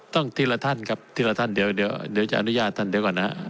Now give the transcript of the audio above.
ต้องทีละท่านครับทีละท่านเดี๋ยวเดี๋ยวจะอนุญาตท่านเดี๋ยวก่อนนะ